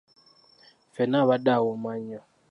Ffene abadde awooma nnyo.